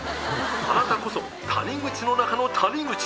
あなたこそ谷口の中の谷口。